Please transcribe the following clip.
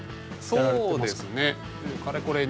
そうですね。